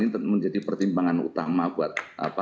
ini menjadi pertimbangan utama buat